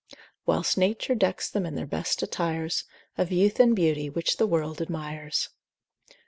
Whilst nature decks them in their best attires Of youth and beauty which the world admires.